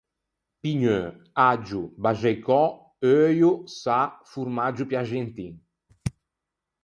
Pigneu, aggio, baxaicò, euio, sâ, formaggio piaxentin.